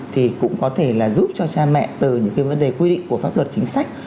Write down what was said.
thì cũng có thể là giúp cho cha mẹ từ những cái vấn đề quy định của pháp luật chính sách